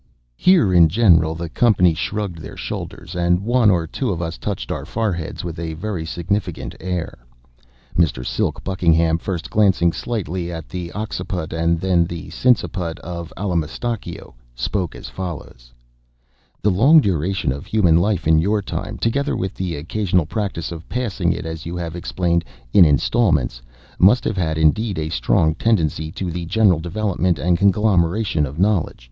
Here, in general, the company shrugged their shoulders, and one or two of us touched our foreheads with a very significant air. Mr. Silk Buckingham, first glancing slightly at the occiput and then at the sinciput of Allamistakeo, spoke as follows: "The long duration of human life in your time, together with the occasional practice of passing it, as you have explained, in installments, must have had, indeed, a strong tendency to the general development and conglomeration of knowledge.